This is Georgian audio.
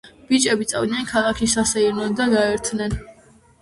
ბიჭები წავიდნენ ქალაქში, სასეირნოდ და გაერთნენ.